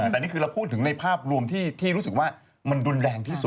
แต่นี่คือเราพูดถึงในภาพรวมที่รู้สึกว่ามันรุนแรงที่สุด